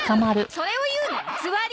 それを言うなら「つわり」！